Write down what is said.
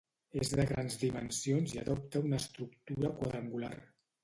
És de grans dimensions i adopta una estructura quadrangular.